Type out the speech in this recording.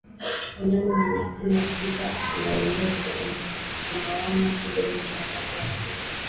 wanyama wenye asili ya Afrika na endapo utawaona twiga nje ya bara la Afrika